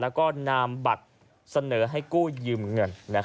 แล้วก็นามบัตรเสนอให้กู้ยืมเงิน